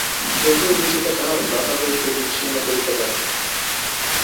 কেহই নিজেকে তাহার ভ্রাতা হইতে বিচ্ছিন্ন করিতে পারে না।